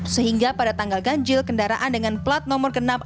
sehingga pada tanggal ganjil kendaraan dengan plat nomor genap